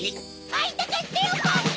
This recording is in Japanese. あいたかったよパパ！